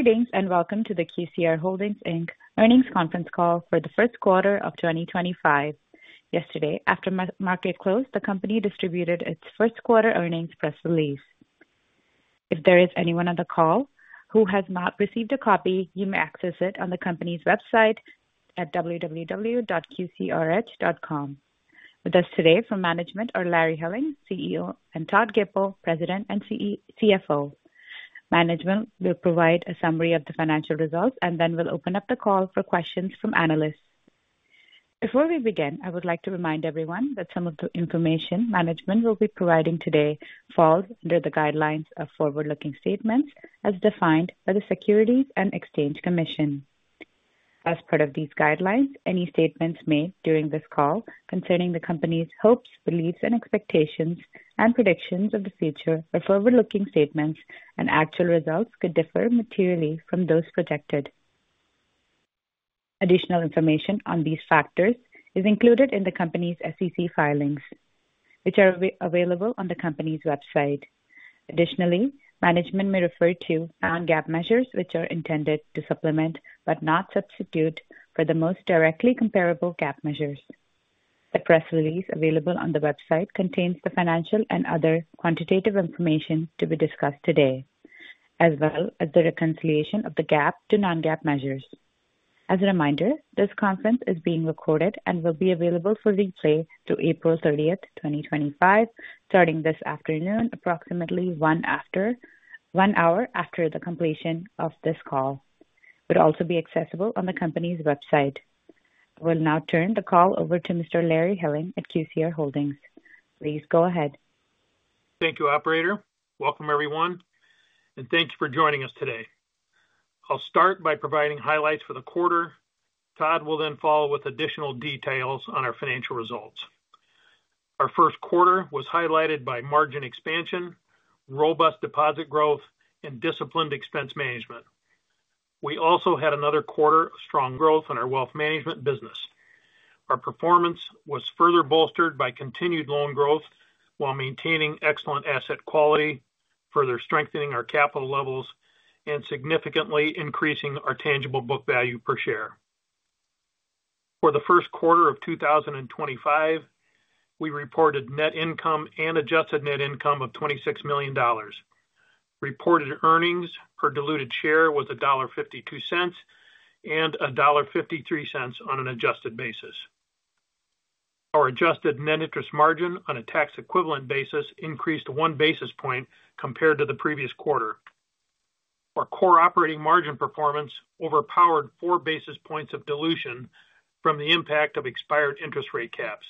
Greetings and welcome to the QCR Holdings Earnings Conference Call for the First Quarter of 2025. Yesterday, after market close, the company distributed its first quarter earnings press release. If there is anyone on the call who has not received a copy, you may access it on the company's website at www.qcrh.com. With us today from management are Larry Helling, CEO, and Todd Gipple, President and CFO. Management will provide a summary of the financial results and then will open up the call for questions from analysts. Before we begin, I would like to remind everyone that some of the information management will be providing today falls under the guidelines of forward-looking statements as defined by the Securities and Exchange Commission. As part of these guidelines, any statements made during this call concerning the company's hopes, beliefs, and expectations, and predictions of the future are forward-looking statements, and actual results could differ materially from those projected. Additional information on these factors is included in the company's SEC filings, which are available on the company's website. Additionally, management may refer to non-GAAP measures, which are intended to supplement but not substitute for the most directly comparable GAAP measures. The press release available on the website contains the financial and other quantitative information to be discussed today, as well as the reconciliation of the GAAP to non-GAAP measures. As a reminder, this conference is being recorded and will be available for replay through April 30, 2025, starting this afternoon, approximately one hour after the completion of this call. It will also be accessible on the company's website.I will now turn the call over to Mr. Larry Helling at QCR Holdings. Please go ahead. Thank you, Operator. Welcome, everyone, and thank you for joining us today. I'll start by providing highlights for the quarter. Todd will then follow with additional details on our financial results. Our first quarter was highlighted by margin expansion, robust deposit growth, and disciplined expense management. We also had another quarter of strong growth in our wealth management business. Our performance was further bolstered by continued loan growth while maintaining excellent asset quality, further strengthening our capital levels, and significantly increasing our tangible book value per share. For the first quarter of 2025, we reported net income and adjusted net income of $26 million. Reported earnings per diluted share was $1.52 and $1.53 on an adjusted basis. Our adjusted net interest margin on a tax-equivalent basis increased one basis point compared to the previous quarter. Our core operating margin performance overpowered four basis points of dilution from the impact of expired interest rate caps.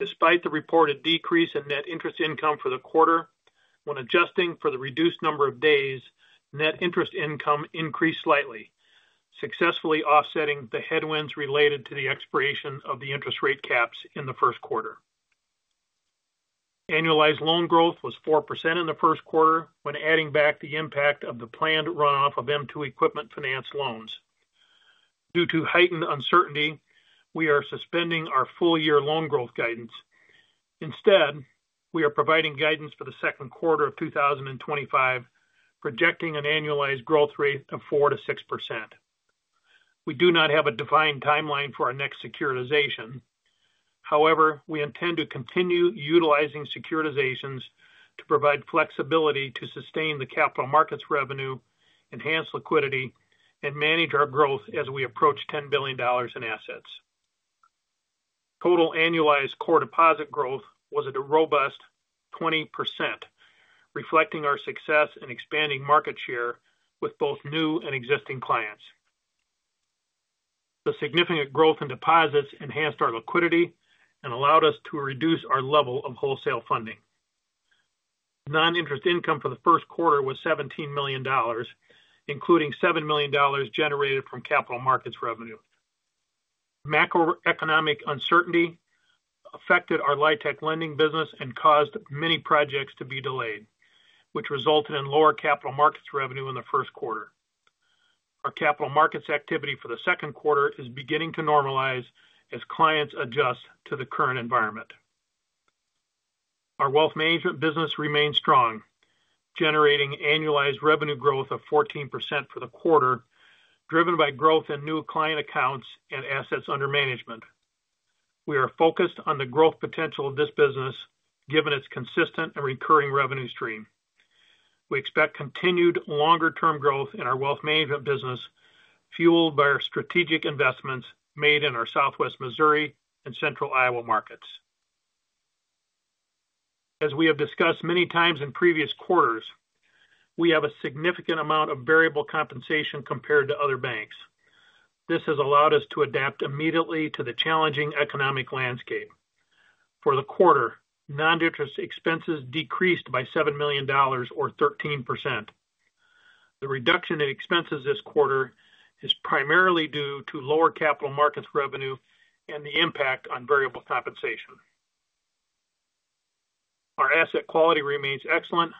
Despite the reported decrease in net interest income for the quarter, when adjusting for the reduced number of days, net interest income increased slightly, successfully offsetting the headwinds related to the expiration of the interest rate caps in the first quarter. Annualized loan growth was 4% in the first quarter when adding back the impact of the planned runoff of m2 Equipment Finance loans. Due to heightened uncertainty, we are suspending our full-year loan growth guidance. Instead, we are providing guidance for the second quarter of 2025, projecting an annualized growth rate of 4%-6%. We do not have a defined timeline for our next securitization. However, we intend to continue utilizing securitizations to provide flexibility to sustain the capital markets revenue, enhance liquidity, and manage our growth as we approach $10 billion in assets. Total annualized core deposit growth was at a robust 20%, reflecting our success in expanding market share with both new and existing clients. The significant growth in deposits enhanced our liquidity and allowed us to reduce our level of wholesale funding. Non-interest income for the first quarter was $17 million, including $7 million generated from capital markets revenue. Macroeconomic uncertainty affected our LIHTC lending business and caused many projects to be delayed, which resulted in lower capital markets revenue in the first quarter. Our capital markets activity for the second quarter is beginning to normalize as clients adjust to the current environment. Our wealth management business remains strong, generating annualized revenue growth of 14% for the quarter, driven by growth in new client accounts and assets under management. We are focused on the growth potential of this business, given its consistent and recurring revenue stream. We expect continued longer-term growth in our wealth management business, fueled by our strategic investments made in our Southwest Missouri and Central Iowa markets. As we have discussed many times in previous quarters, we have a significant amount of variable compensation compared to other banks. This has allowed us to adapt immediately to the challenging economic landscape. For the quarter, non-interest expenses decreased by $7 million, or 13%. The reduction in expenses this quarter is primarily due to lower capital markets revenue and the impact on variable compensation. Our asset quality remains excellent.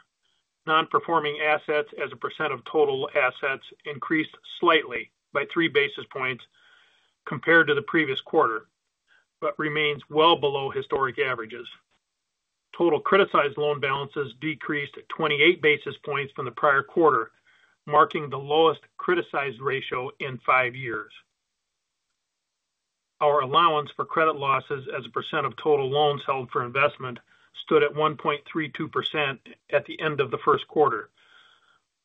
Non-performing assets as a percent of total assets increased slightly by three basis points compared to the previous quarter, but remains well below historic averages. Total criticized loan balances decreased 28 basis points from the prior quarter, marking the lowest criticized ratio in five years. Our allowance for credit losses as a percent of total loans held for investment stood at 1.32% at the end of the first quarter.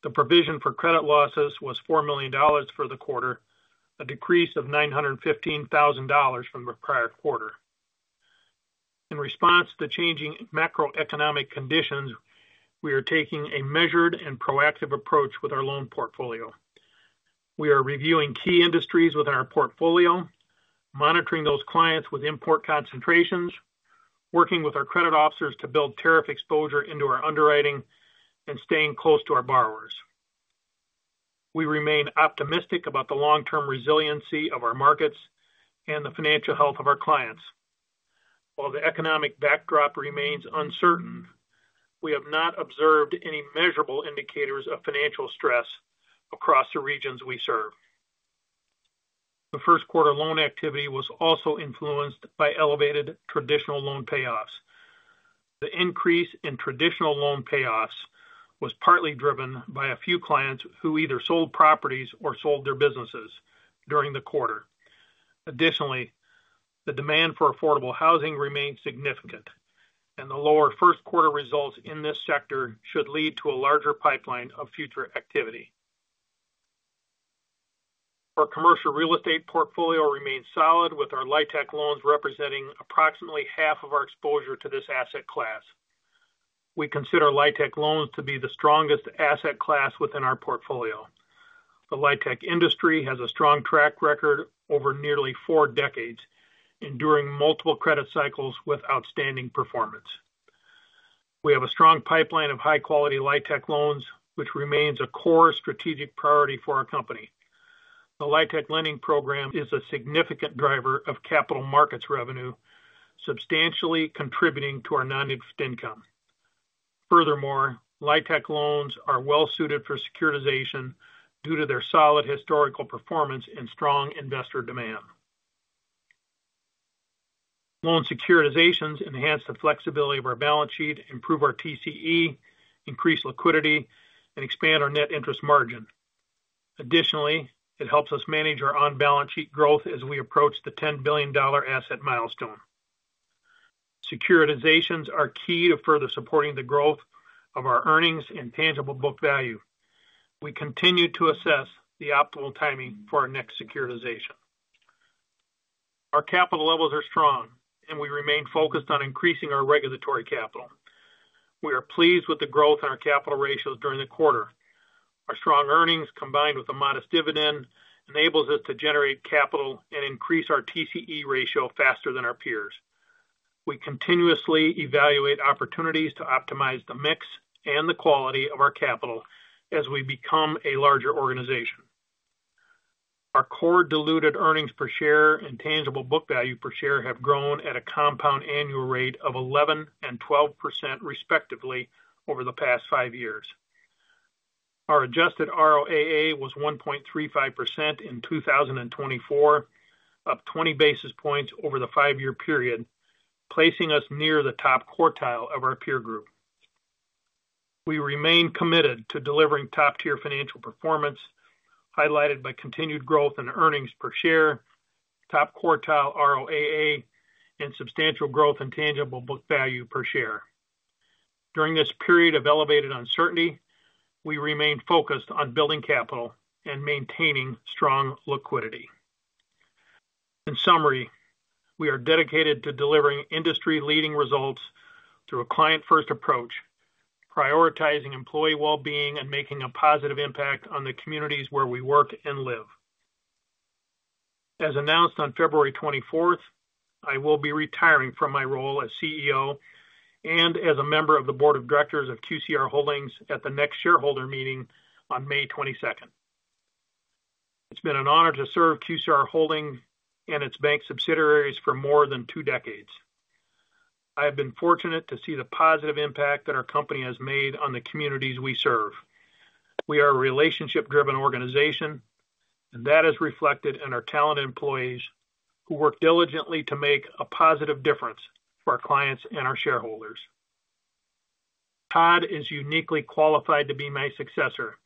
The provision for credit losses was $4 million for the quarter, a decrease of $915,000 from the prior quarter. In response to the changing macroeconomic conditions, we are taking a measured and proactive approach with our loan portfolio. We are reviewing key industries within our portfolio, monitoring those clients with import concentrations, working with our credit officers to build tariff exposure into our underwriting, and staying close to our borrowers. We remain optimistic about the long-term resiliency of our markets and the financial health of our clients. While the economic backdrop remains uncertain, we have not observed any measurable indicators of financial stress across the regions we serve. The first quarter loan activity was also influenced by elevated traditional loan payoffs. The increase in traditional loan payoffs was partly driven by a few clients who either sold properties or sold their businesses during the quarter. Additionally, the demand for affordable housing remains significant, and the lower first quarter results in this sector should lead to a larger pipeline of future activity. Our commercial real estate portfolio remains solid, with our LIHTC loans representing approximately half of our exposure to this asset class. We consider LIHTC loans to be the strongest asset class within our portfolio. The LIHTC industry has a strong track record over nearly four decades, enduring multiple credit cycles with outstanding performance. We have a strong pipeline of high-quality LIHTC loans, which remains a core strategic priority for our company. The LIHTC lending program is a significant driver of capital markets revenue, substantially contributing to our non-interest income. Furthermore, LIHTC loans are well-suited for securitization due to their solid historical performance and strong investor demand. Loan securitizations enhance the flexibility of our balance sheet, improve our TCE, increase liquidity, and expand our net interest margin. Additionally, it helps us manage our on-balance sheet growth as we approach the $10 billion asset milestone. Securitizations are key to further supporting the growth of our earnings and tangible book value. We continue to assess the optimal timing for our next securitization. Our capital levels are strong, and we remain focused on increasing our regulatory capital. We are pleased with the growth in our capital ratios during the quarter. Our strong earnings, combined with a modest dividend, enable us to generate capital and increase our TCE ratio faster than our peers. We continuously evaluate opportunities to optimize the mix and the quality of our capital as we become a larger organization. Our core diluted earnings per share and tangible book value per share have grown at a compound annual rate of 11% and 12%, respectively, over the past five years. Our adjusted ROAA was 1.35% in 2024, up 20 basis points over the five-year period, placing us near the top quartile of our peer group. We remain committed to delivering top-tier financial performance, highlighted by continued growth in earnings per share, top quartile ROAA, and substantial growth in tangible book value per share. During this period of elevated uncertainty, we remain focused on building capital and maintaining strong liquidity. In summary, we are dedicated to delivering industry-leading results through a client-first approach, prioritizing employee well-being, and making a positive impact on the communities where we work and live. As announced on February 24th, I will be retiring from my role as CEO and as a member of the board of directors of QCR Holdings at the next shareholder meeting on May 22nd. It's been an honor to serve QCR Holdings and its bank subsidiaries for more than two decades. I have been fortunate to see the positive impact that our company has made on the communities we serve. We are a relationship-driven organization, and that is reflected in our talented employees who work diligently to make a positive difference for our clients and our shareholders. Todd is uniquely qualified to be my successor,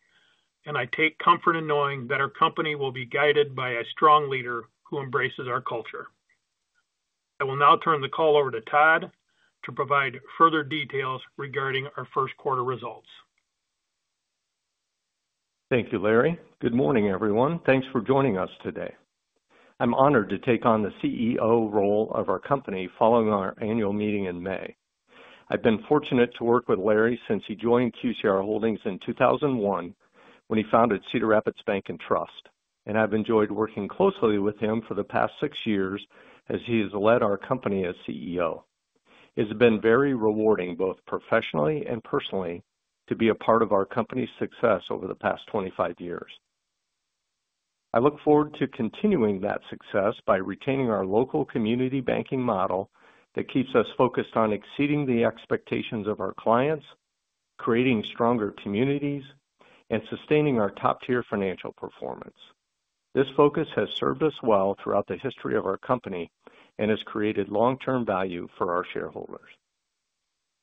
and I take comfort in knowing that our company will be guided by a strong leader who embraces our culture. I will now turn the call over to Todd to provide further details regarding our first quarter results. Thank you, Larry. Good morning, everyone. Thanks for joining us today. I'm honored to take on the CEO role of our company following our annual meeting in May. I've been fortunate to work with Larry since he joined QCR Holdings in 2001 when he founded Cedar Rapids Bank & Trust, and I've enjoyed working closely with him for the past six years as he has led our company as CEO. It's been very rewarding, both professionally and personally, to be a part of our company's success over the past 25 years. I look forward to continuing that success by retaining our local community banking model that keeps us focused on exceeding the expectations of our clients, creating stronger communities, and sustaining our top-tier financial performance. This focus has served us well throughout the history of our company and has created long-term value for our shareholders.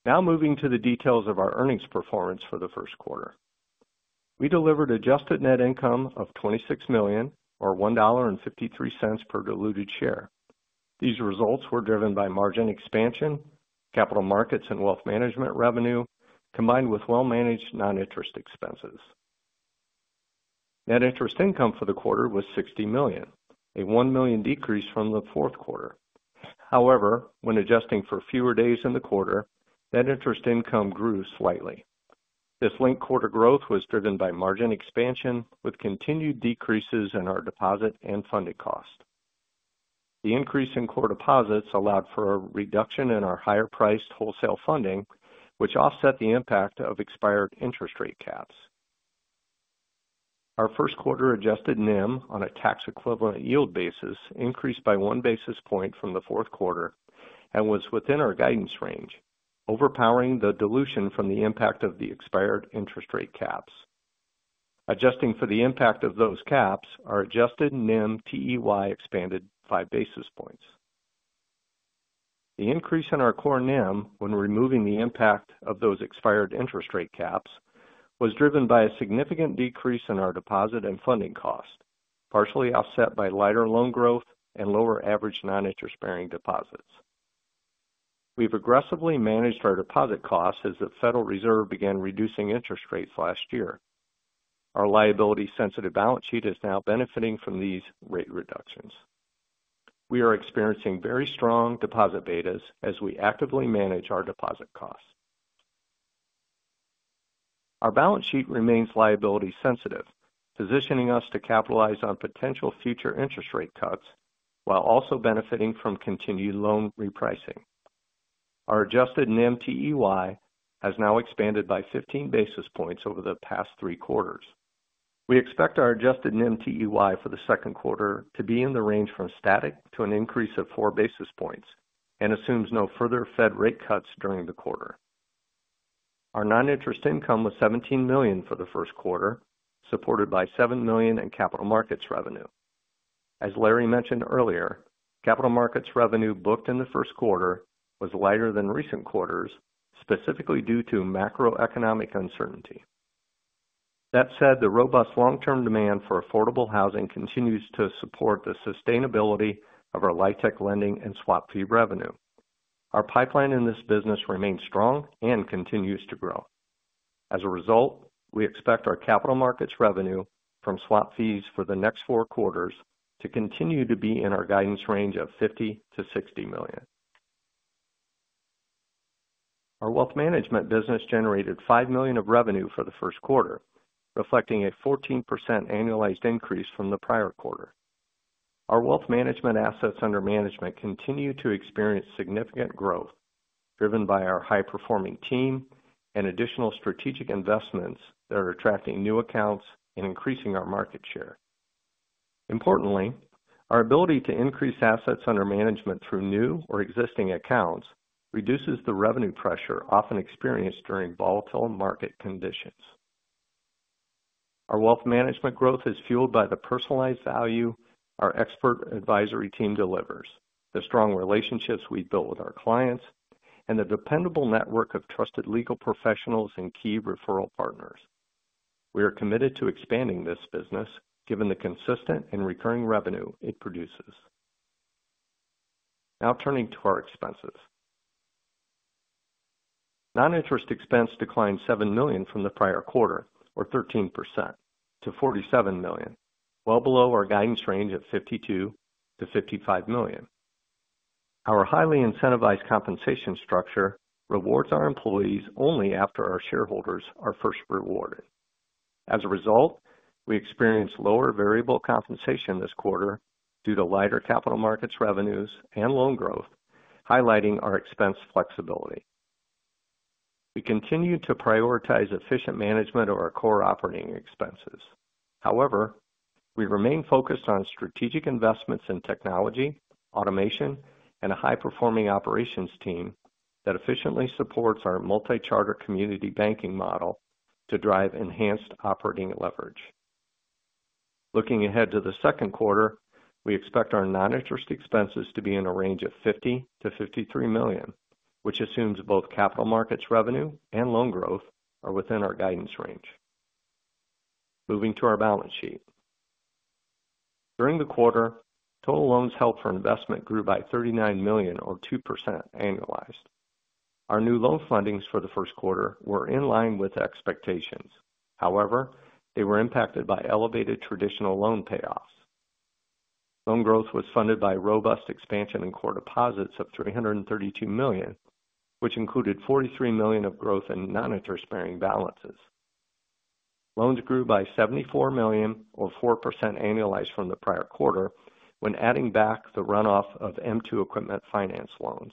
Now, moving to the details of our earnings performance for the first quarter. We delivered adjusted net income of $26 million, or $1.53 per diluted share. These results were driven by margin expansion, capital markets, and wealth management revenue, combined with well-managed non-interest expenses. Net interest income for the quarter was $60 million, a $1 million decrease from the fourth quarter. However, when adjusting for fewer days in the quarter, net interest income grew slightly. This linked quarter growth was driven by margin expansion with continued decreases in our deposit and funded cost. The increase in core deposits allowed for a reduction in our higher-priced wholesale funding, which offset the impact of expired interest rate caps. Our first quarter adjusted NIM on a tax-equivalent yield basis increased by one basis point from the fourth quarter and was within our guidance range, overpowering the dilution from the impact of the expired interest rate caps. Adjusting for the impact of those caps, our adjusted NIM TEY expanded five basis points. The increase in our core NIM when removing the impact of those expired interest rate caps was driven by a significant decrease in our deposit and funding cost, partially offset by lighter loan growth and lower average non-interest-bearing deposits. We've aggressively managed our deposit costs as the Federal Reserve began reducing interest rates last year. Our liability-sensitive balance sheet is now benefiting from these rate reductions. We are experiencing very strong deposit betas as we actively manage our deposit costs. Our balance sheet remains liability-sensitive, positioning us to capitalize on potential future interest rate cuts while also benefiting from continued loan repricing. Our adjusted NIM TEY has now expanded by 15 basis points over the past three quarters. We expect our adjusted NIM TEY for the second quarter to be in the range from static to an increase of four basis points and assumes no further Fed rate cuts during the quarter. Our non-interest income was $17 million for the first quarter, supported by $7 million in capital markets revenue. As Larry mentioned earlier, capital markets revenue booked in the first quarter was lighter than recent quarters, specifically due to macroeconomic uncertainty. That said, the robust long-term demand for affordable housing continues to support the sustainability of our LIHTC lending and swap fee revenue. Our pipeline in this business remains strong and continues to grow. As a result, we expect our capital markets revenue from swap fees for the next four quarters to continue to be in our guidance range of $50 million-$60 million. Our wealth management business generated $5 million of revenue for the first quarter, reflecting a 14% annualized increase from the prior quarter. Our wealth management assets under management continue to experience significant growth, driven by our high-performing team and additional strategic investments that are attracting new accounts and increasing our market share. Importantly, our ability to increase assets under management through new or existing accounts reduces the revenue pressure often experienced during volatile market conditions. Our wealth management growth is fueled by the personalized value our expert advisory team delivers, the strong relationships we've built with our clients, and the dependable network of trusted legal professionals and key referral partners. We are committed to expanding this business, given the consistent and recurring revenue it produces. Now, turning to our expenses. Non-interest expense declined $7 million from the prior quarter, or 13%, to $47 million, well below our guidance range of $52 million-$55 million. Our highly incentivized compensation structure rewards our employees only after our shareholders are first rewarded. As a result, we experienced lower variable compensation this quarter due to lighter capital markets revenues and loan growth, highlighting our expense flexibility. We continue to prioritize efficient management of our core operating expenses. However, we remain focused on strategic investments in technology, automation, and a high-performing operations team that efficiently supports our multi-charter community banking model to drive enhanced operating leverage. Looking ahead to the second quarter, we expect our non-interest expenses to be in a range of $50 million-$53 million, which assumes both capital markets revenue and loan growth are within our guidance range. Moving to our balance sheet. During the quarter, total loans held for investment grew by $39 million, or 2%, annualized. Our new loan fundings for the first quarter were in line with expectations. However, they were impacted by elevated traditional loan payoffs. Loan growth was funded by robust expansion in core deposits of $332 million, which included $43 million of growth in non-interest-bearing balances. Loans grew by $74 million, or 4%, annualized from the prior quarter when adding back the runoff of m2 Equipment Finance loans.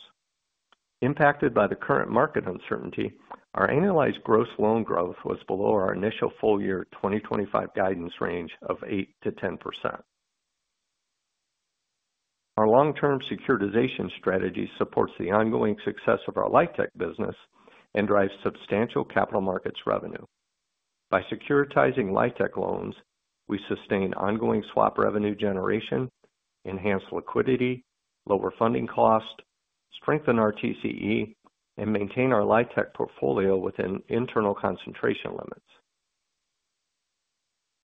Impacted by the current market uncertainty, our annualized gross loan growth was below our initial full-year 2025 guidance range of 8%-10%. Our long-term securitization strategy supports the ongoing success of our LIHTC business and drives substantial capital markets revenue. By securitizing LIHTC loans, we sustain ongoing swap revenue generation, enhance liquidity, lower funding cost, strengthen our TCE, and maintain our LIHTC portfolio within internal concentration limits.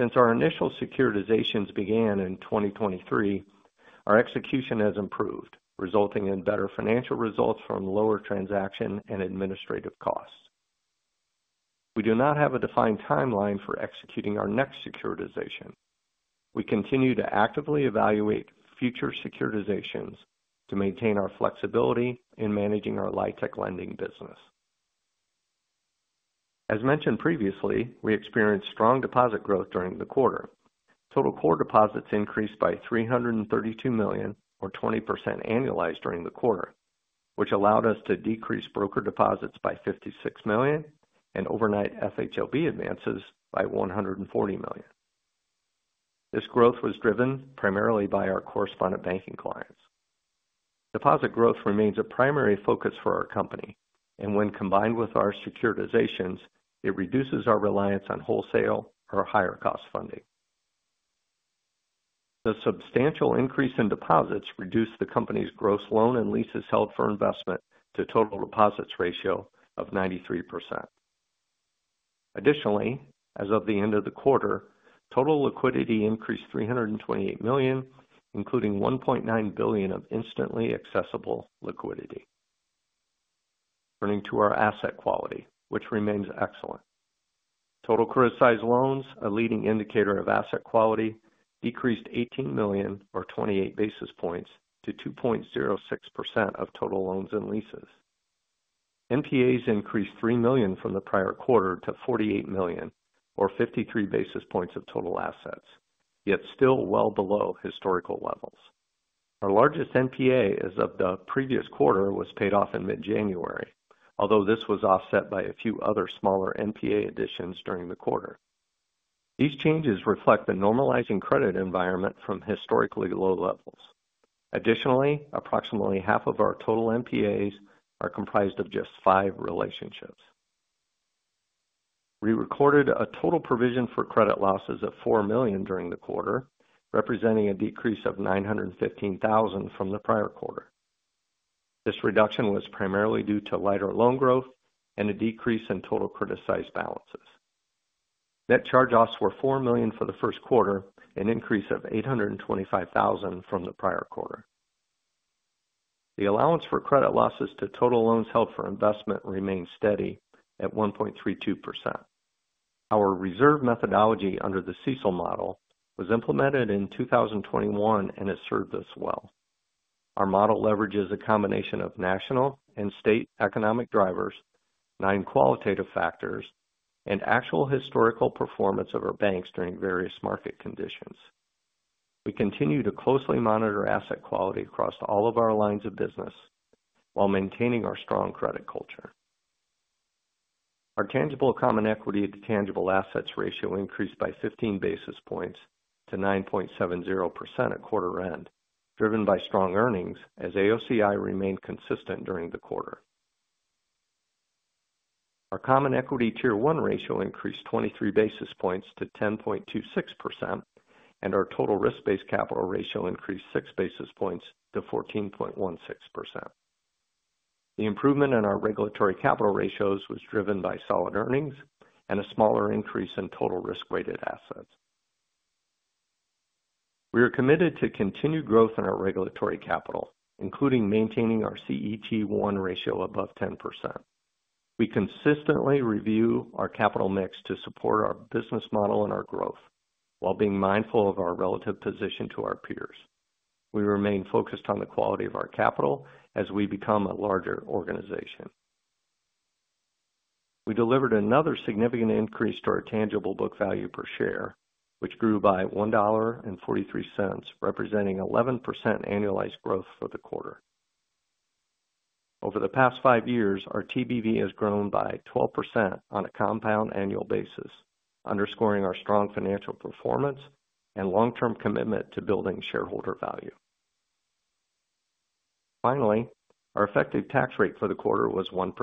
Since our initial securitizations began in 2023, our execution has improved, resulting in better financial results from lower transaction and administrative costs. We do not have a defined timeline for executing our next securitization. We continue to actively evaluate future securitizations to maintain our flexibility in managing our LIHTC lending business. As mentioned previously, we experienced strong deposit growth during the quarter. Total core deposits increased by $332 million, or 20%, annualized during the quarter, which allowed us to decrease brokered deposits by $56 million and overnight FHLB advances by $140 million. This growth was driven primarily by our correspondent banking clients. Deposit growth remains a primary focus for our company, and when combined with our securitizations, it reduces our reliance on wholesale or higher-cost funding. The substantial increase in deposits reduced the company's gross loan and leases held for investment to total deposits ratio to 93%. Additionally, as of the end of the quarter, total liquidity increased $328 million, including $1.9 billion of instantly accessible liquidity. Turning to our asset quality, which remains excellent. Total criticized loans, a leading indicator of asset quality, decreased $18 million, or 28 basis points, to 2.06% of total loans and leases. NPAs increased $3 million from the prior quarter to $48 million, or 53 basis points of total assets, yet still well below historical levels. Our largest NPA as of the previous quarter was paid off in mid-January, although this was offset by a few other smaller NPA additions during the quarter. These changes reflect the normalizing credit environment from historically low levels. Additionally, approximately half of our total NPAs are comprised of just five relationships. We recorded a total provision for credit losses of $4 million during the quarter, representing a decrease of $915,000 from the prior quarter. This reduction was primarily due to lighter loan growth and a decrease in total criticized balances. Net charge-offs were $4 million for the first quarter, an increase of $825,000 from the prior quarter. The allowance for credit losses to total loans held for investment remains steady at 1.32%. Our reserve methodology under the CECL model was implemented in 2021 and has served us well. Our model leverages a combination of national and state economic drivers, qualitative factors, and actual historical performance of our banks during various market conditions. We continue to closely monitor asset quality across all of our lines of business while maintaining our strong credit culture. Our tangible common equity to tangible assets ratio increased by 15 basis points to 9.70% at quarter end, driven by strong earnings as AOCI remained consistent during the quarter. Our Common Equity Tier 1 ratio increased 23 basis points to 10.26%, and our total risk-based capital ratio increased 6 basis points to 14.16%. The improvement in our regulatory capital ratios was driven by solid earnings and a smaller increase in total risk-weighted assets. We are committed to continued growth in our regulatory capital, including maintaining our CET1 ratio above 10%. We consistently review our capital mix to support our business model and our growth while being mindful of our relative position to our peers. We remain focused on the quality of our capital as we become a larger organization. We delivered another significant increase to our tangible book value per share, which grew by $1.43, representing 11% annualized growth for the quarter. Over the past five years, our TBV has grown by 12% on a compound annual basis, underscoring our strong financial performance and long-term commitment to building shareholder value. Finally, our effective tax rate for the quarter was 1%,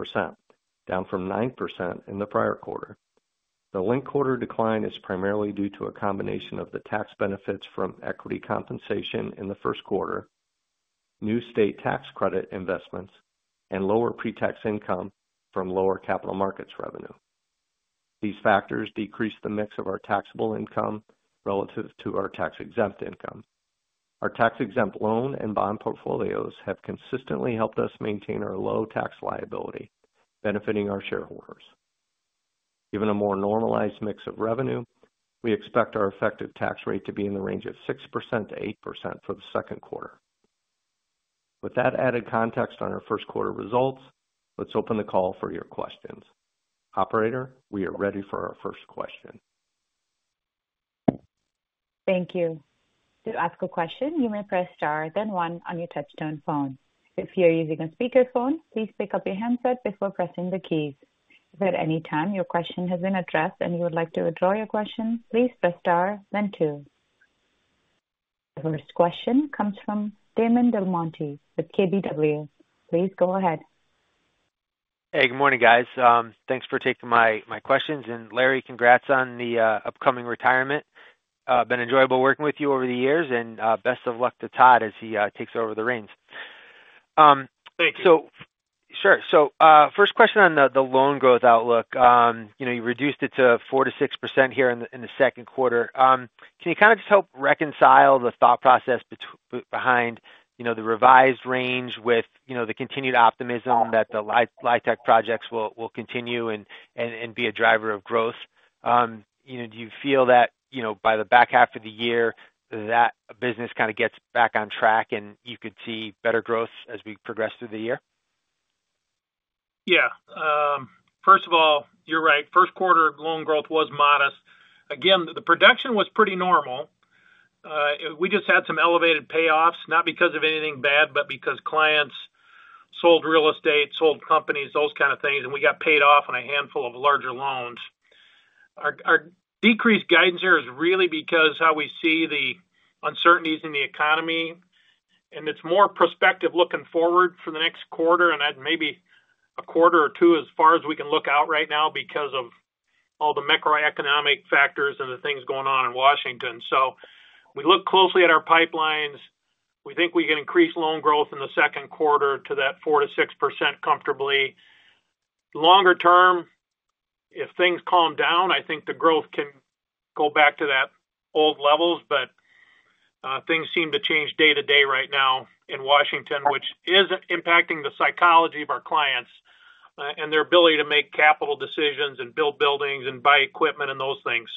down from 9% in the prior quarter. The linked quarter decline is primarily due to a combination of the tax benefits from equity compensation in the first quarter, new state tax credit investments, and lower pre-tax income from lower capital markets revenue. These factors decreased the mix of our taxable income relative to our tax-exempt income. Our tax-exempt loan and bond portfolios have consistently helped us maintain our low tax liability, benefiting our shareholders. Given a more normalized mix of revenue, we expect our effective tax rate to be in the range of 6%-8% for the second quarter. With that added context on our first quarter results, let's open the call for your questions. Operator, we are ready for our first question. Thank you. To ask a question, you may press star, then one on your Touch-Tone phone. If you're using a speakerphone, please pick up your handset before pressing the keys. If at any time your question has been addressed and you would like to withdraw your question, please press star, then two. The first question comes from Damon DelMonte with KBW. Please go ahead. Hey, good morning, guys. Thanks for taking my questions. Larry, congrats on the upcoming retirement. It's been enjoyable working with you over the years, and best of luck to Todd as he takes over the reins. Thank you. Sure. First question on the loan growth outlook. You reduced it to 4%-6% here in the second quarter. Can you kind of just help reconcile the thought process behind the revised range with the continued optimism that the LIHTC projects will continue and be a driver of growth? Do you feel that by the back half of the year, that business kind of gets back on track and you could see better growth as we progress through the year? Yeah. First of all, you're right. First quarter loan growth was modest. Again, the production was pretty normal. We just had some elevated payoffs, not because of anything bad, but because clients sold real estate, sold companies, those kind of things, and we got paid off on a handful of larger loans. Our decreased guidance here is really because of how we see the uncertainties in the economy. It is more prospective looking forward for the next quarter and maybe a quarter or two as far as we can look out right now because of all the macroeconomic factors and the things going on in Washington. We look closely at our pipelines. We think we can increase loan growth in the second quarter to that 4%-6% comfortably. Longer term, if things calm down, I think the growth can go back to that old levels, but things seem to change day to day right now in Washington, which is impacting the psychology of our clients and their ability to make capital decisions and build buildings and buy equipment and those things.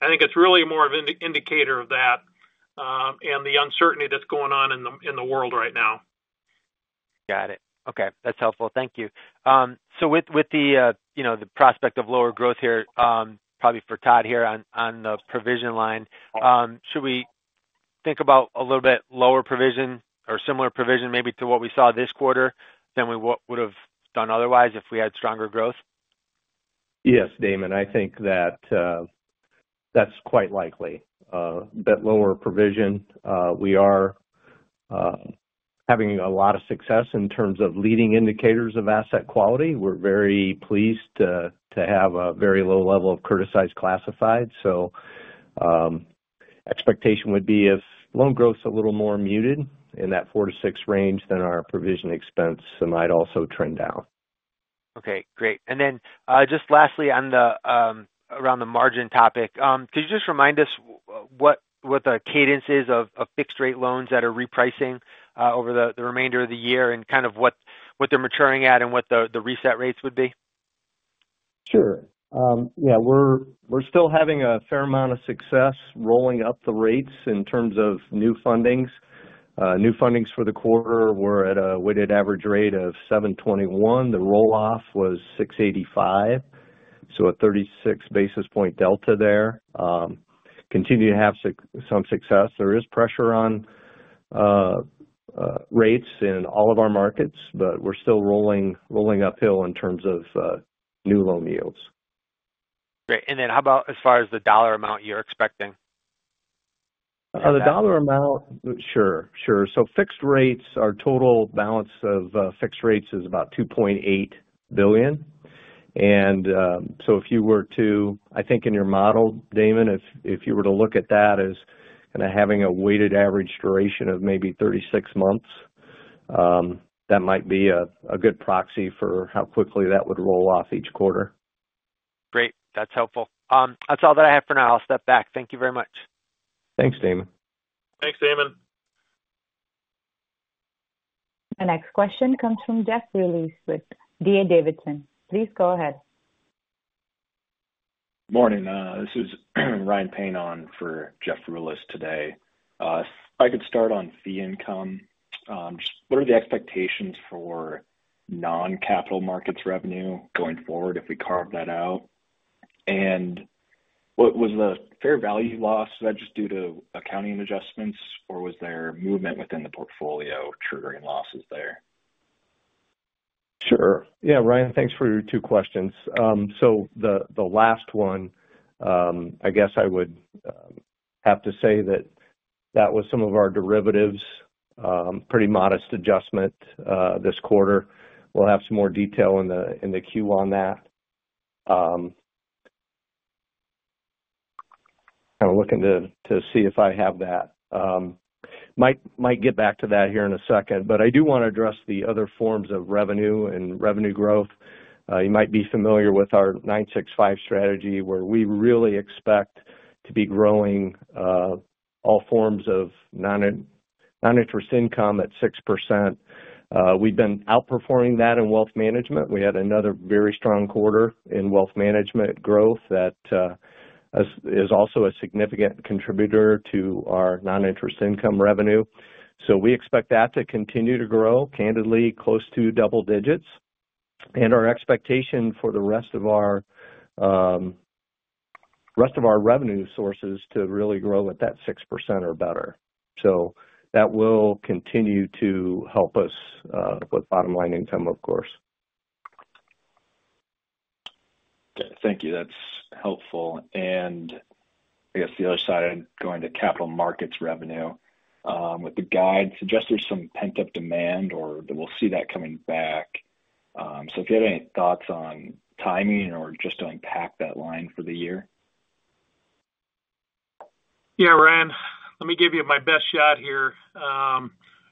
I think it's really more of an indicator of that and the uncertainty that's going on in the world right now. Got it. Okay. That's helpful. Thank you. With the prospect of lower growth here, probably for Todd here on the provision line, should we think about a little bit lower provision or similar provision maybe to what we saw this quarter than we would have done otherwise if we had stronger growth? Yes, Damon. I think that that's quite likely.. That lower provision, we are having a lot of success in terms of leading indicators of asset quality. We're very pleased to have a very low level of criticized classified. So expectation would be if loan growth is a little more muted in that 4%-6% range, then our provision expense might also trend down. Okay. Great. And then just lastly around the margin topic, could you just remind us what the cadence is of fixed-rate loans that are repricing over the remainder of the year and kind of what they're maturing at and what the reset rates would be? Sure. Yeah. We're still having a fair amount of success rolling up the rates in terms of new fundings. New fundings for the quarter were at a weighted average rate of 7.21. The roll-off was 6.85, so a 36 basis point delta there. Continue to have some success. There is pressure on rates in all of our markets, but we're still rolling uphill in terms of new loan yields. Great. How about as far as the dollar amount you're expecting? The dollar amount, sure. Sure. Fixed rates, our total balance of fixed rates is about $2.8 billion. If you were to, I think in your model, Damon, if you were to look at that as kind of having a weighted average duration of maybe 36 months, that might be a good proxy for how quickly that would roll off each quarter. Great. That's helpful. That's all that I have for now. I'll step back. Thank you very much. Thanks, Damon. Thanks, Damon. The next question comes from Jeff Rulis with D.A. Davidson. Please go ahead. Good morning. This is Ryan Payne for Jeff Rulis today. If I could start on fee income, just what are the expectations for non-capital markets revenue going forward if we carve that out? Was the fair value loss just due to accounting adjustments, or was there movement within the portfolio triggering losses there? Sure. Yeah, Ryan, thanks for your two questions. The last one, I guess I would have to say that that was some of our derivatives, pretty modest adjustment this quarter. We'll have some more detail in the Q on that. Kind of looking to see if I have that. Might get back to that here in a second, but I do want to address the other forms of revenue and revenue growth. You might be familiar with our 9-6-5 strategy where we really expect to be growing all forms of non-interest income at 6%. We've been outperforming that in wealth management. We had another very strong quarter in wealth management growth that is also a significant contributor to our non-interest income revenue. We expect that to continue to grow, candidly, close to double digits. Our expectation for the rest of our revenue sources is to really grow at that 6% or better. That will continue to help us with bottom-line income, of course. Okay. Thank you. That's helpful. I guess the other side of going to capital markets revenue, with the guide, suggests there's some pent-up demand or that we'll see that coming back. If you had any thoughts on timing or just to unpack that line for the year? Yeah, Ryan, let me give you my best shot here.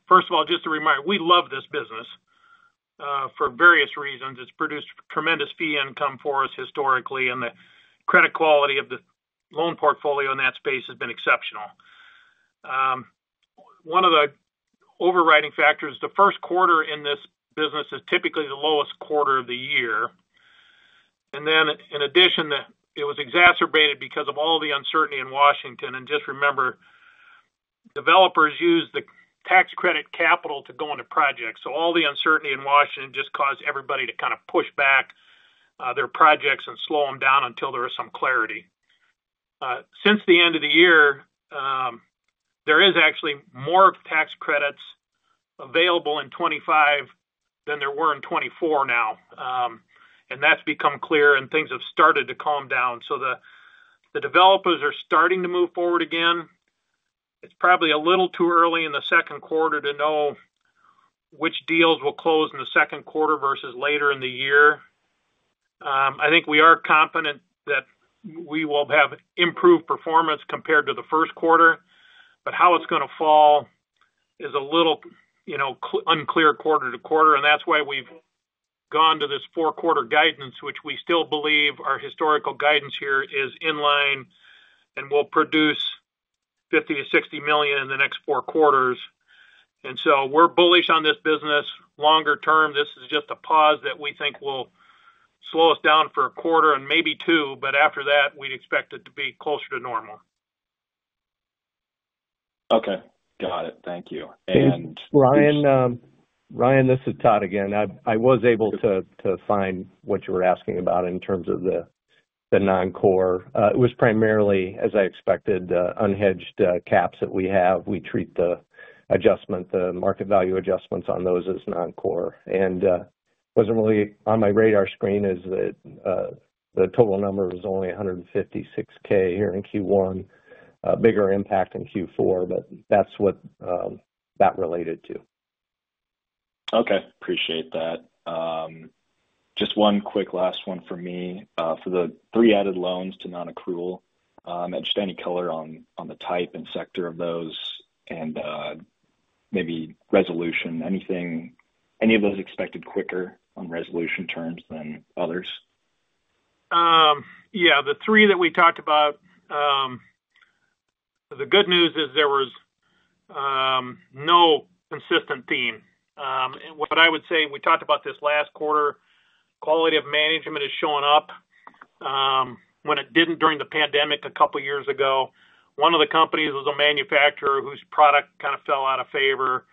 First of all, just a reminder, we love this business for various reasons. It's produced tremendous fee income for us historically, and the credit quality of the loan portfolio in that space has been exceptional. One of the overriding factors, the first quarter in this business is typically the lowest quarter of the year. In addition, it was exacerbated because of all the uncertainty in Washington. Just remember, developers use the tax credit capital to go into projects. All the uncertainty in Washington just caused everybody to kind of push back their projects and slow them down until there was some clarity. Since the end of the year, there is actually more tax credits available in 2025 than there were in 2024 now. That's become clear, and things have started to calm down. The developers are starting to move forward again. It's probably a little too early in the second quarter to know which deals will close in the second quarter versus later in the year. I think we are confident that we will have improved performance compared to the first quarter, but how it's going to fall is a little unclear quarter to quarter. That is why we've gone to this four-quarter guidance, which we still believe our historical guidance here is in line and will produce $50 million-$60 million in the next four quarters. We are bullish on this business longer term. This is just a pause that we think will slow us down for a quarter and maybe two, but after that, we'd expect it to be closer to normal. Okay. Got it. Thank you. Ryan, this is Todd again. I was able to find what you were asking about in terms of the non-core. It was primarily, as I expected, unhedged caps that we have. We treat the market value adjustments on those as non-core. It was not really on my radar screen as the total number was only $156,000 here in Q1, bigger impact in Q4, but that is what that related to. Okay. Appreciate that. Just one quick last one for me. For the three added loans to non-accrual, just any color on the type and sector of those and maybe resolution. Any of those expected quicker on resolution terms than others? Yeah. The three that we talked about, the good news is there was no consistent theme. What I would say, we talked about this last quarter, quality of management has shown up. When it did not during the pandemic a couple of years ago, one of the companies was a manufacturer whose product kind of fell out of favor.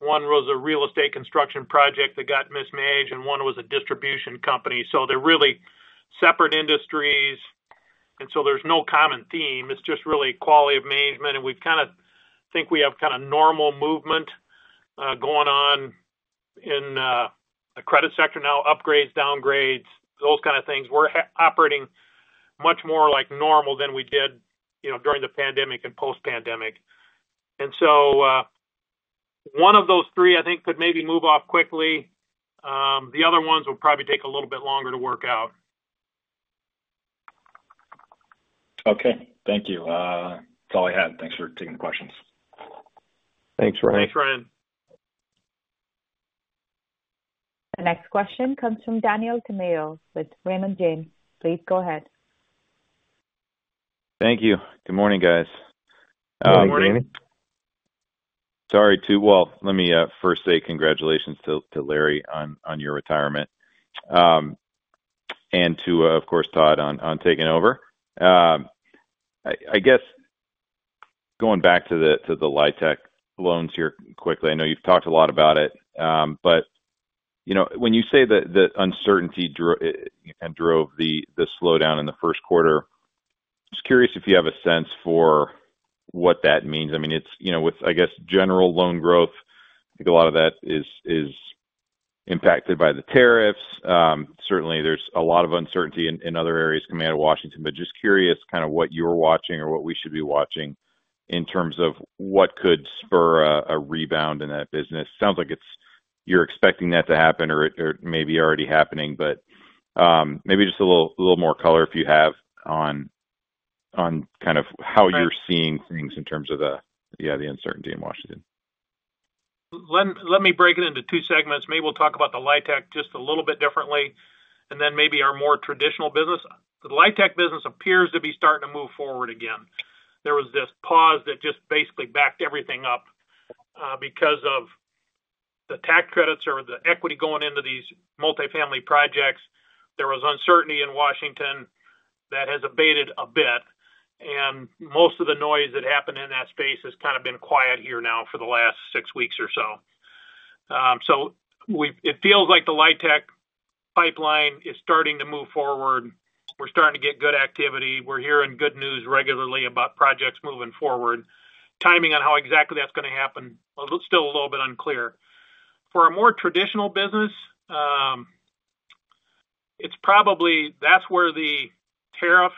One was a real estate construction project that got mismanaged, and one was a distribution company. So they're really separate industries, and so there's no common theme. It's just really quality of management. We kind of think we have kind of normal movement going on in the credit sector now, upgrades, downgrades, those kind of things. We're operating much more like normal than we did during the pandemic and post-pandemic. One of those three, I think, could maybe move off quickly. The other ones will probably take a little bit longer to work out. Okay. Thank you. That's all I had. Thanks for taking the questions. Thanks, Ryan. Thanks, Ryan. The next question comes from Daniel Tamayo with Raymond James. Please go ahead. Thank you. Good morning, guys. Good morning. Let me first say congratulations to Larry on your retirement and to, of course, Todd on taking over. I guess going back to the LIHTC loans here quickly, I know you've talked a lot about it, but when you say that uncertainty drove the slowdown in the first quarter, I'm just curious if you have a sense for what that means. I mean, with, I guess, general loan growth, I think a lot of that is impacted by the tariffs. Certainly, there's a lot of uncertainty in other areas coming out of Washington, but just curious kind of what you're watching or what we should be watching in terms of what could spur a rebound in that business. Sounds like you're expecting that to happen or maybe already happening, but maybe just a little more color if you have on kind of how you're seeing things in terms of the uncertainty in Washington. Let me break it into two segments. Maybe we'll talk about the LIHTC just a little bit differently, and then maybe our more traditional business. The LIHTC business appears to be starting to move forward again. There was this pause that just basically backed everything up because of the tax credits or the equity going into these multifamily projects. There was uncertainty in Washington that has abated a bit. Most of the noise that happened in that space has kind of been quiet here now for the last six weeks or so. It feels like the LIHTC pipeline is starting to move forward. We're starting to get good activity. We're hearing good news regularly about projects moving forward. Timing on how exactly that's going to happen is still a little bit unclear. For a more traditional business, it's probably that's where the tariff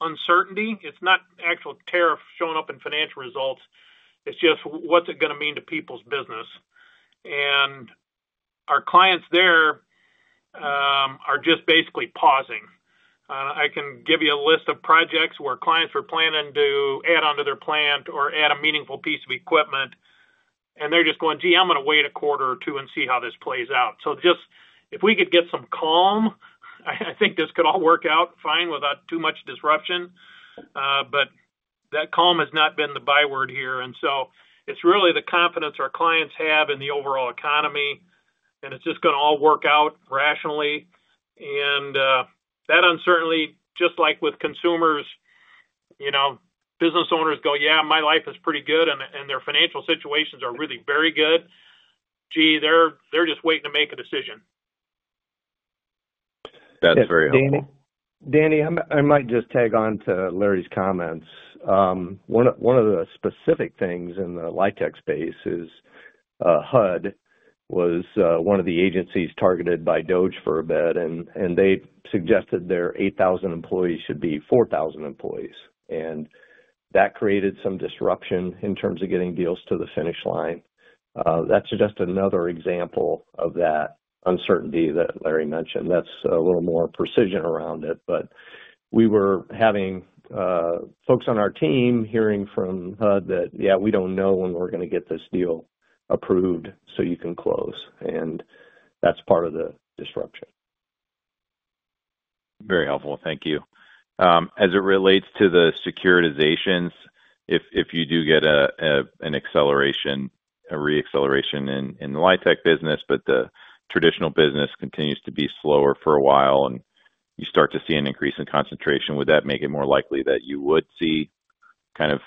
uncertainty is not actual tariff showing up in financial results. It's just what's it going to mean to people's business? Our clients there are just basically pausing. I can give you a list of projects where clients were planning to add onto their plant or add a meaningful piece of equipment, and they're just going, "Gee, I'm going to wait a quarter or two and see how this plays out." If we could get some calm, I think this could all work out fine without too much disruption. That calm has not been the byword here. It is really the confidence our clients have in the overall economy, and it is just going to all work out rationally. That uncertainty, just like with consumers, business owners go, "Yeah, my life is pretty good," and their financial situations are really very good. Gee, they are just waiting to make a decision. That is very helpful. Danny, I might just tag on to Larry's comments. One of the specific things in the LIHTC space is HUD was one of the agencies targeted by DOGE for a bit, and they suggested their 8,000 employees should be 4,000 employees. That created some disruption in terms of getting deals to the finish line. That is just another example of that uncertainty that Larry mentioned. That is a little more precision around it. We were having folks on our team hearing from HUD that, "Yeah, we don't know when we're going to get this deal approved so you can close." That is part of the disruption. Very helpful. Thank you. As it relates to the securitizations, if you do get a re-acceleration in the LIHTC business, but the traditional business continues to be slower for a while and you start to see an increase in concentration, would that make it more likely that you would see kind of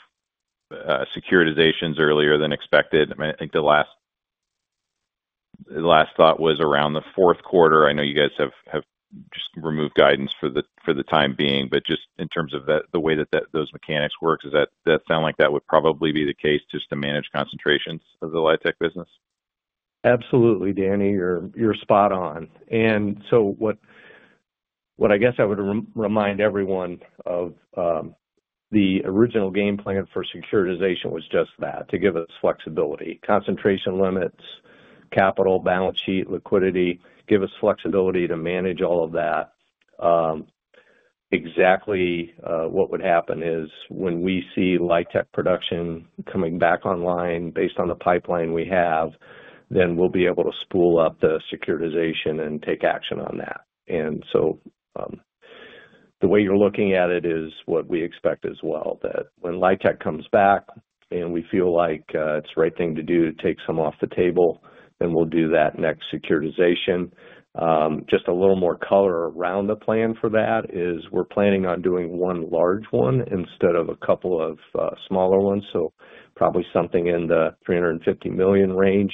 securitizations earlier than expected? I mean, I think the last thought was around the fourth quarter. I know you guys have just removed guidance for the time being, but just in terms of the way that those mechanics work, does that sound like that would probably be the case just to manage concentrations of the LIHTC business? Absolutely, Danny. You're spot on. What I guess I would remind everyone of, the original game plan for securitization was just that, to give us flexibility. Concentration limits, capital balance sheet, liquidity, give us flexibility to manage all of that. Exactly what would happen is when we see LIHTC production coming back online based on the pipeline we have, then we'll be able to spool up the securitization and take action on that. The way you're looking at it is what we expect as well, that when LIHTC comes back and we feel like it's the right thing to do to take some off the table, then we'll do that next securitization. Just a little more color around the plan for that is we're planning on doing one large one instead of a couple of smaller ones, so probably something in the $350 million range.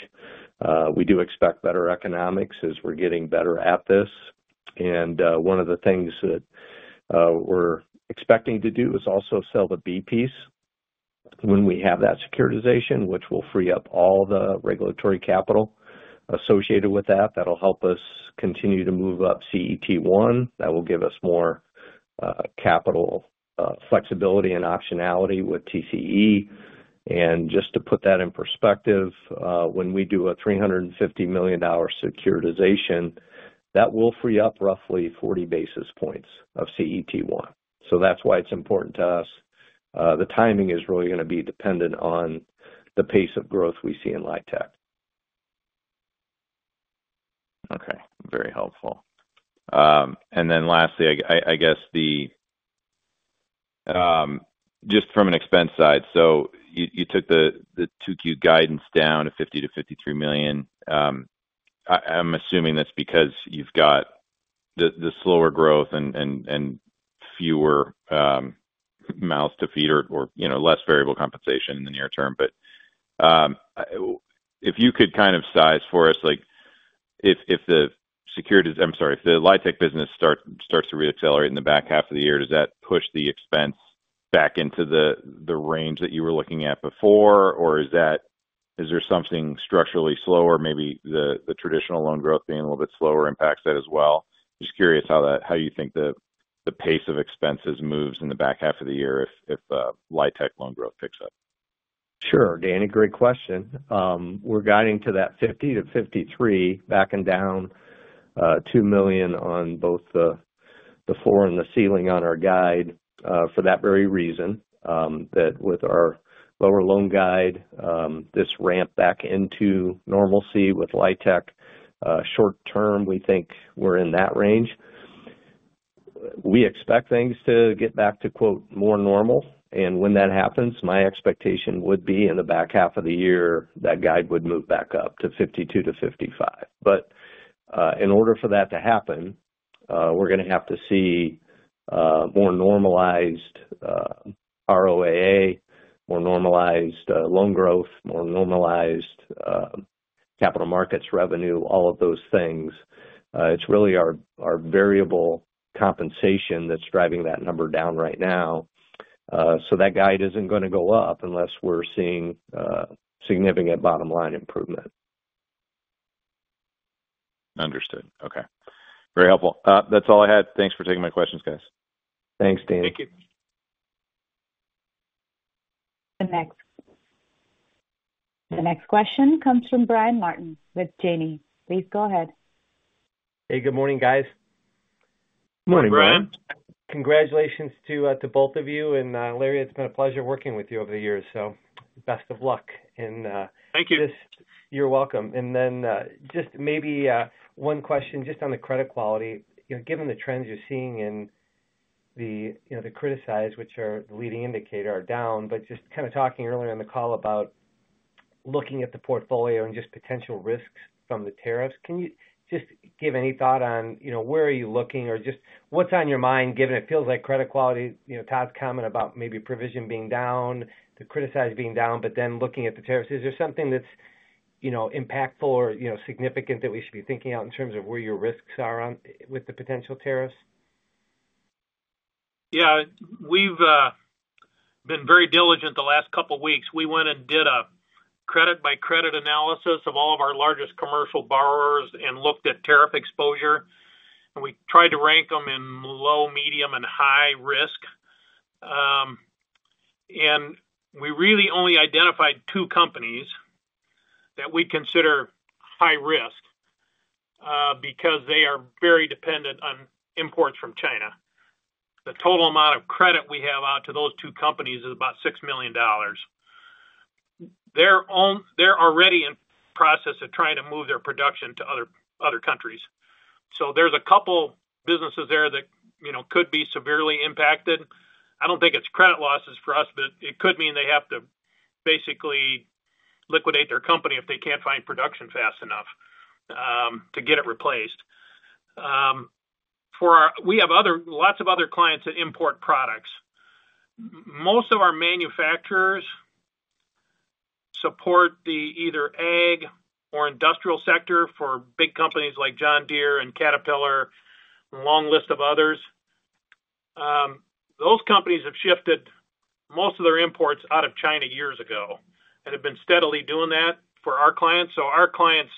We do expect better economics as we're getting better at this. One of the things that we're expecting to do is also sell the B-piece when we have that securitization, which will free up all the regulatory capital associated with that. That will help us continue to move up CET1. That will give us more capital flexibility and optionality with TCE. Just to put that in perspective, when we do a $350 million securitization, that will free up roughly 40 basis points of CET1. That is why it's important to us. The timing is really going to be dependent on the pace of growth we see in LIHTC. Okay. Very helpful. Lastly, I guess just from an expense side, you took the 2Q guidance down to $50-$53 million. I'm assuming that's because you've got the slower growth and fewer mouths to feed or less variable compensation in the near term. If you could kind of size for us, if the LIHTC business starts to reaccelerate in the back half of the year, does that push the expense back into the range that you were looking at before? Is there something structurally slower, maybe the traditional loan growth being a little bit slower impacts that as well? Just curious how you think the pace of expenses moves in the back half of the year if LIHTC loan growth picks up. Sure. Danny, great question. We're guiding to that 50-53, backing down $2 million on both the floor and the ceiling on our guide for that very reason, that with our lower loan guide, this ramp back into normalcy with LIHTC short term, we think we're in that range. We expect things to get back to "more normal." When that happens, my expectation would be in the back half of the year, that guide would move back up to 52-55. In order for that to happen, we're going to have to see more normalized ROAA, more normalized loan growth, more normalized capital markets revenue, all of those things. It's really our variable compensation that's driving that number down right now. That guide isn't going to go up unless we're seeing significant bottom line improvement. Understood. Okay. Very helpful. That's all I had. Thanks for taking my questions, guys. Thanks, Danny. Thank you. The next question comes from Brian Martin with Janney. Please go ahead. Hey, good morning, guys. Morning, Brian. Congratulations to both of you. Larry, it's been a pleasure working with you over the years, so best of luck. Thank you. You're welcome. Maybe one question just on the credit quality. Given the trends you're seeing in the criticized, which are the leading indicator, are down, but just kind of talking earlier on the call about looking at the portfolio and just potential risks from the tariffs, can you just give any thought on where are you looking or just what's on your mind given it feels like credit quality, Todd's comment about maybe provision being down, the criticized being down, but then looking at the tariffs, is there something that's impactful or significant that we should be thinking out in terms of where your risks are with the potential tariffs? Yeah. We've been very diligent the last couple of weeks. We went and did a credit-by-credit analysis of all of our largest commercial borrowers and looked at tariff exposure. And we tried to rank them in low, medium, and high risk. We really only identified two companies that we consider high risk because they are very dependent on imports from China. The total amount of credit we have out to those two companies is about $6 million. They're already in the process of trying to move their production to other countries. There are a couple of businesses there that could be severely impacted. I don't think it's credit losses for us, but it could mean they have to basically liquidate their company if they can't find production fast enough to get it replaced. We have lots of other clients that import products. Most of our manufacturers support either the ag or industrial sector for big companies like John Deere and Caterpillar, a long list of others. Those companies have shifted most of their imports out of China years ago and have been steadily doing that for our clients. Our clients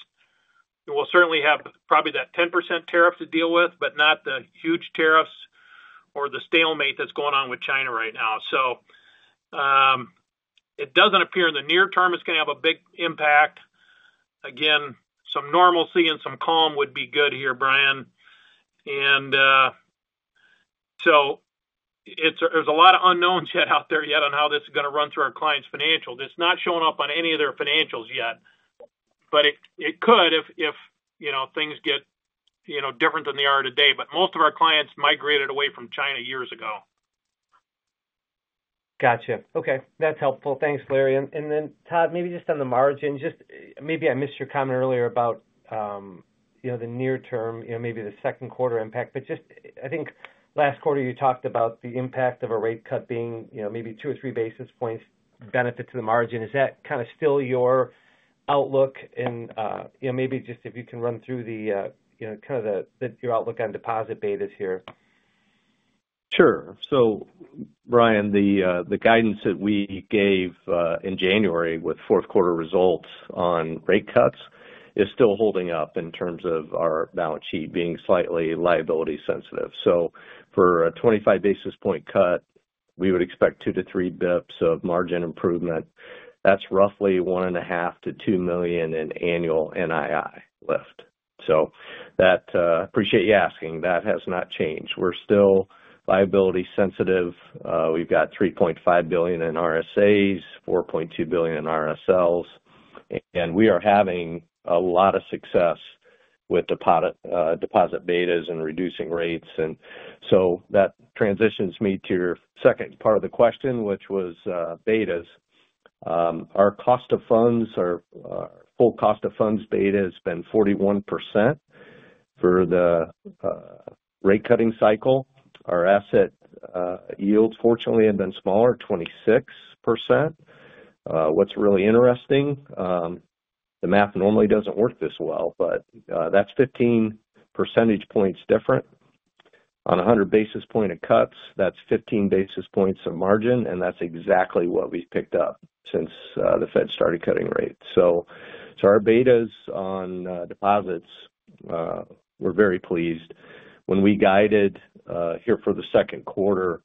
will certainly have probably that 10% tariff to deal with, but not the huge tariffs or the stalemate that's going on with China right now. It does not appear in the near term it's going to have a big impact. Again, some normalcy and some calm would be good here, Brian. There are a lot of unknowns yet out there yet on how this is going to run through our clients' financials. It's not showing up on any of their financials yet, but it could if things get different than they are today. Most of our clients migrated away from China years ago. Gotcha. Okay. That's helpful. Thanks, Larry. Maybe just on the margin, Todd, maybe I missed your comment earlier about the near term, maybe the second quarter impact. I think last quarter you talked about the impact of a rate cut being maybe two or three basis points benefit to the margin. Is that kind of still your outlook? Maybe just if you can run through kind of your outlook on deposit betas here. Sure. Brian, the guidance that we gave in January with fourth quarter results on rate cuts is still holding up in terms of our balance sheet being slightly liability sensitive. For a 25 basis point cut, we would expect 2-3 basis points of margin improvement. That is roughly $1.5 million-$2 million in annual NII lift. I appreciate you asking. That has not changed. We are still liability sensitive. We have $3.5 billion in RSAs, $4.2 billion in RSLs. We are having a lot of success with deposit betas and reducing rates. That transitions me to your second part of the question, which was betas. Our cost of funds, our full cost of funds beta has been 41% for the rate cutting cycle. Our asset yields, fortunately, have been smaller, 26%. What's really interesting, the math normally doesn't work this well, but that's 15 percentage points different. On 100 basis points of cuts, that's 15 basis points of margin, and that's exactly what we've picked up since the Fed started cutting rates. Our betas on deposits, we're very pleased. When we guided here for the second quarter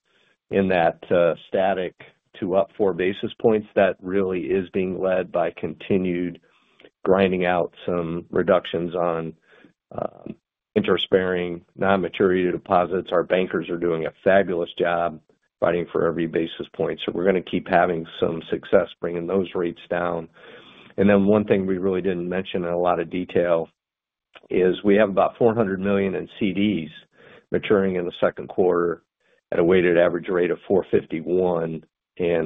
in that static to up four basis points, that really is being led by continued grinding out some reductions on interest-bearing non-maturity deposits. Our bankers are doing a fabulous job fighting for every basis point. We're going to keep having some success bringing those rates down. One thing we really did not mention in a lot of detail is we have about $400 million in CDs maturing in the second quarter at a weighted average rate of 4.51%.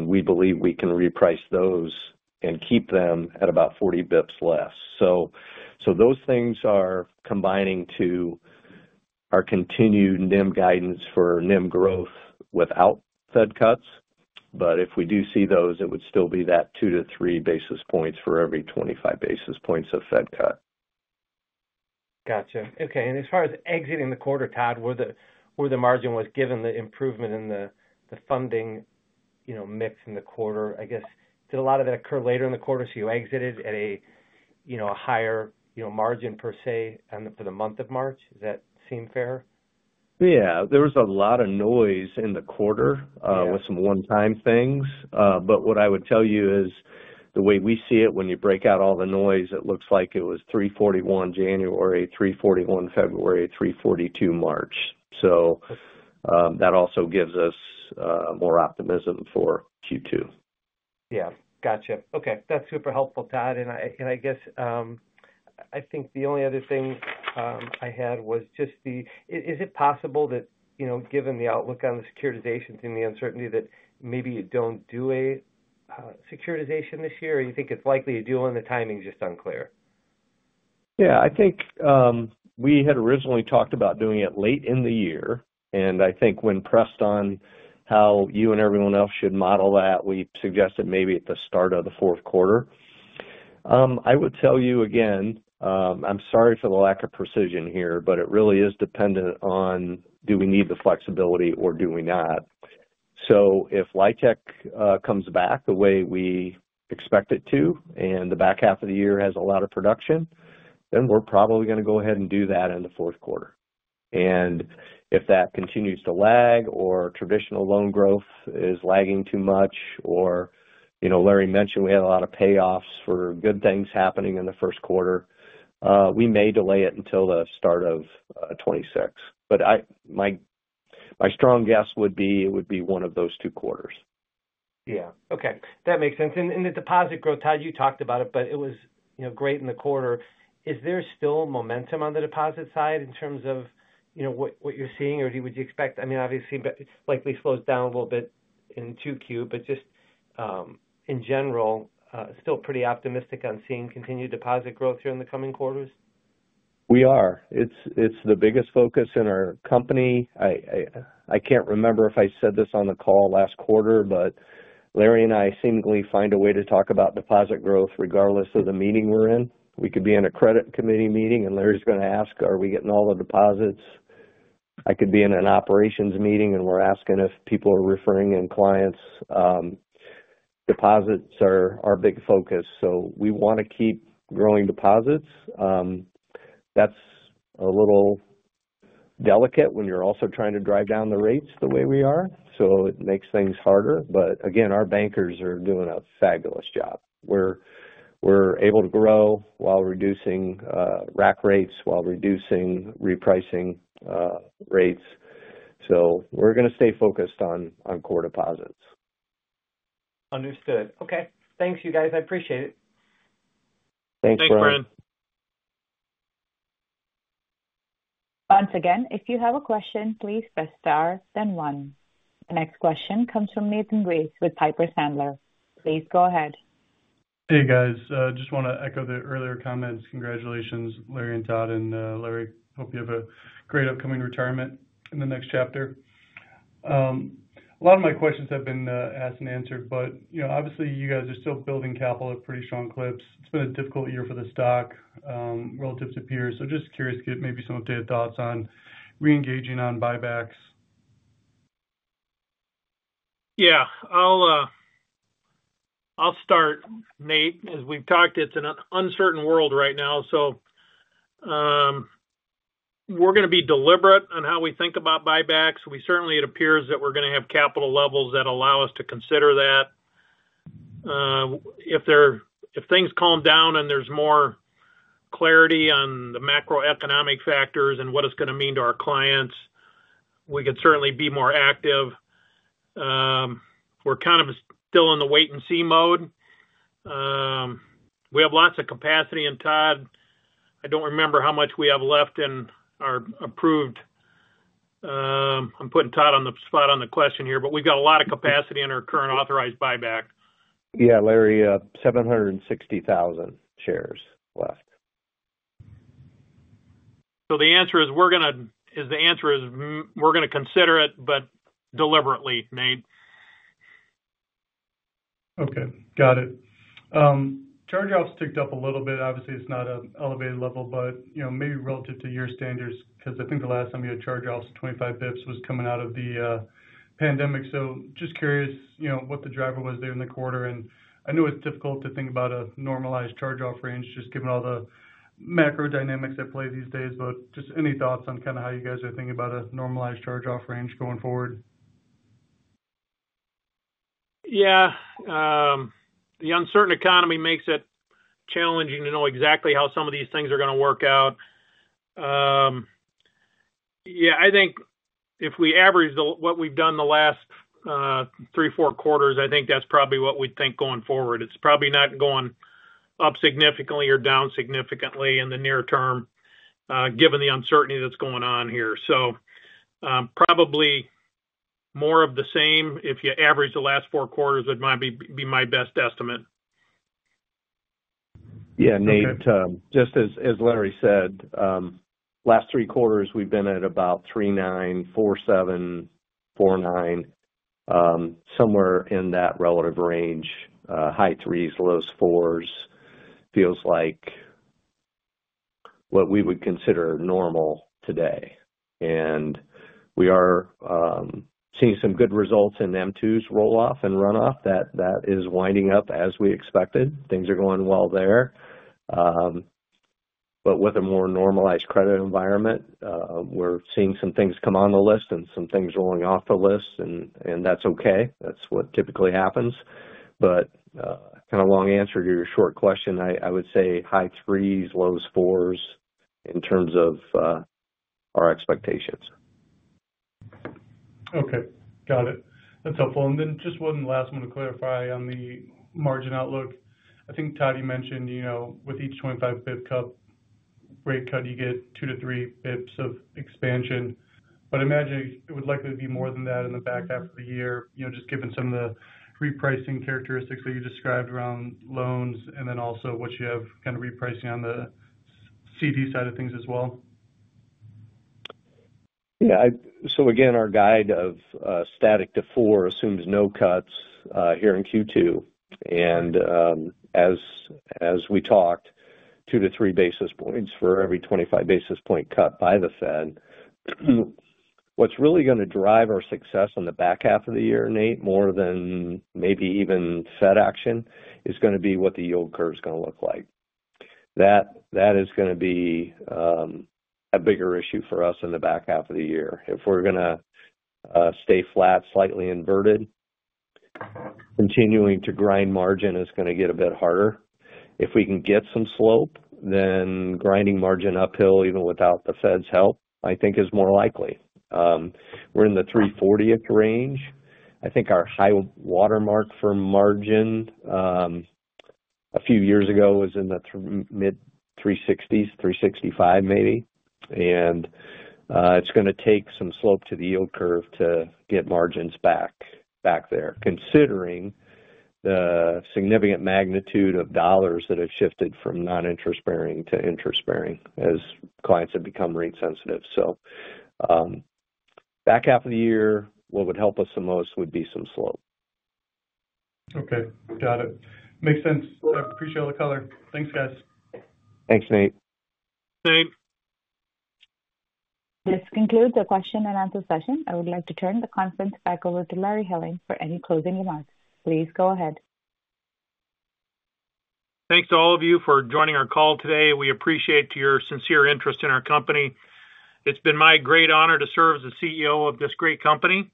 We believe we can reprice those and keep them at about 40 basis points less. Those things are combining to our continued NIM guidance for NIM growth without Fed cuts. If we do see those, it would still be that 2 to 3 basis points for every 25 basis points of Fed cut. Gotcha. Okay. As far as exiting the quarter, Todd, where the margin was given the improvement in the funding mix in the quarter, I guess, did a lot of that occur later in the quarter? You exited at a higher margin per se for the month of March. Does that seem fair? Yeah. There was a lot of noise in the quarter with some one-time things. What I would tell you is the way we see it, when you break out all the noise, it looks like it was 3.41 January, 3.41 February, 3.42 March. That also gives us more optimism for Q2. Yeah. Gotcha. Okay. That is super helpful, Todd. I guess I think the only other thing I had was just is it possible that given the outlook on the securitization and the uncertainty that maybe you do not do a securitization this year? Or you think it is likely you do, and the timing is just unclear? Yeah. I think we had originally talked about doing it late in the year. I think when pressed on how you and everyone else should model that, we suggested maybe at the start of the fourth quarter. I would tell you again, I'm sorry for the lack of precision here, but it really is dependent on do we need the flexibility or do we not. If LIHTC comes back the way we expect it to, and the back half of the year has a lot of production, then we're probably going to go ahead and do that in the fourth quarter. If that continues to lag or traditional loan growth is lagging too much, or Larry mentioned we had a lot of payoffs for good things happening in the first quarter, we may delay it until the start of 2026. My strong guess would be it would be one of those two quarters. Yeah. Okay. That makes sense. The deposit growth, Todd, you talked about it, but it was great in the quarter. Is there still momentum on the deposit side in terms of what you're seeing, or would you expect, I mean, obviously, it likely slows down a little bit in 2Q, but just in general, still pretty optimistic on seeing continued deposit growth here in the coming quarters? We are. It's the biggest focus in our company. I can't remember if I said this on the call last quarter, but Larry and I seemingly find a way to talk about deposit growth regardless of the meeting we're in. We could be in a credit committee meeting, and Larry's going to ask, "Are we getting all the deposits?" I could be in an operations meeting, and we're asking if people are referring in clients' deposits are our big focus. So we want to keep growing deposits. That's a little delicate when you're also trying to drive down the rates the way we are. It makes things harder. Again, our bankers are doing a fabulous job. We're able to grow while reducing rack rates, while reducing repricing rates. We're going to stay focused on core deposits. Understood. Okay. Thanks, you guys. I appreciate it. Thanks, Brian. Thanks, Brian. Once again, if you have a question, please press star, then one. The next question comes from Nathan Race with Piper Sandler. Please go ahead. Hey, guys. Just want to echo the earlier comments. Congratulations, Larry and Todd. Larry, hope you have a great upcoming retirement in the next chapter. A lot of my questions have been asked and answered, but obviously, you guys are still building capital at pretty strong clips. It's been a difficult year for the stock relative to peers. Just curious to get maybe some of your thoughts on re-engaging on buybacks. Yeah. I'll start, Nate. As we've talked, it's an uncertain world right now. We're going to be deliberate on how we think about buybacks. We certainly, it appears that we're going to have capital levels that allow us to consider that. If things calm down and there's more clarity on the macroeconomic factors and what it's going to mean to our clients, we could certainly be more active. We're kind of still in the wait-and-see mode. We have lots of capacity. Todd, I don't remember how much we have left in our approved—I'm putting Todd on the spot on the question here, but we've got a lot of capacity in our current authorized buyback. Yeah, Larry, 760,000 shares left. The answer is we're going to consider it, but deliberately, Nate. Okay. Got it. Charge-offs ticked up a little bit. Obviously, it's not an elevated level, but maybe relative to your standards, because I think the last time you had charge-offs of 25 basis points was coming out of the pandemic. Just curious what the driver was there in the quarter. I know it's difficult to think about a normalized charge-off range just given all the macro dynamics at play these days, but just any thoughts on kind of how you guys are thinking about a normalized charge-off range going forward? Yeah. The uncertain economy makes it challenging to know exactly how some of these things are going to work out. Yeah. I think if we average what we've done the last three, four quarters, I think that's probably what we'd think going forward. It's probably not going up significantly or down significantly in the near term given the uncertainty that's going on here. Probably more of the same. If you average the last four quarters, it might be my best estimate. Yeah, Nate. Just as Larry said, last three quarters, we've been at about 3.9, 4.7, 4.9, somewhere in that relative range. High threes, low fours, feels like what we would consider normal today. We are seeing some good results in m2's rolloff and runoff. That is winding up as we expected. Things are going well there. With a more normalized credit environment, we're seeing some things come on the list and some things rolling off the list. That's okay. That's what typically happens. Kind of long answer to your short question, I would say high threes, low fours in terms of our expectations. Okay. Got it. That's helpful. Then just one last one to clarify on the margin outlook. I think, Todd, you mentioned with each 25 basis point rate cut, you get 2 to 3 basis points of expansion. I imagine it would likely be more than that in the back half of the year, just given some of the repricing characteristics that you described around loans and then also what you have repricing on the CD side of things as well. Yeah. Our guide of static to four assumes no cuts here in Q2. As we talked, 2 to 3 basis points for every 25 basis point cut by the Fed. What's really going to drive our success on the back half of the year, Nate, more than maybe even Fed action, is going to be what the yield curve is going to look like. That is going to be a bigger issue for us in the back half of the year. If we're going to stay flat, slightly inverted, continuing to grind margin is going to get a bit harder. If we can get some slope, then grinding margin uphill even without the Fed's help, I think, is more likely. We're in the 340s range. I think our high watermark for margin a few years ago was in the mid-360s, 365 maybe. And it's going to take some slope to the yield curve to get margins back there, considering the significant magnitude of dollars that have shifted from non-interest-bearing to interest-bearing as clients have become rate sensitive. Back half of the year, what would help us the most would be some slope. Okay. Got it. Makes sense. I appreciate all the color. Thanks, guys. Thanks, Nate. Thanks. This concludes the question and answer session. I would like to turn the conference back over to Larry Helling for any closing remarks. Please go ahead. Thanks to all of you for joining our call today. We appreciate your sincere interest in our company. It's been my great honor to serve as the CEO of this great company.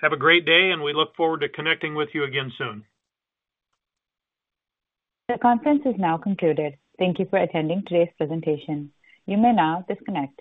Have a great day, and we look forward to connecting with you again soon. The conference is now concluded. Thank you for attending today's presentation. You may now disconnect.